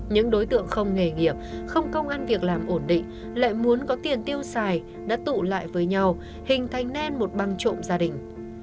những đối tượng không nghề nghiệp không công an việc làm ổn định lại muốn có tiền tiêu xài đã tụ lại với nhau hình thành nên một băng trộm gia đình